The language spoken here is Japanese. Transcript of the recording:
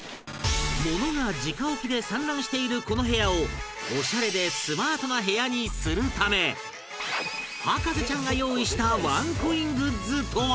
ものが直置きで散乱している、この部屋をオシャレでスマートな部屋にするため博士ちゃんが用意したワンコイングッズとは？